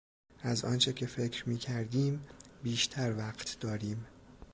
از آنچه که فکر میکردیم بیشتر وقت داریم.